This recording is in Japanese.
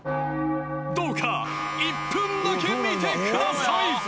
どうか１分だけ見てください！